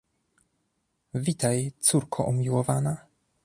Witaj, córko umiłowana!